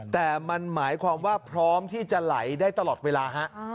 แต่มันหมายความว่าพร้อมที่จะไหลได้ตลอดเวลาฮะ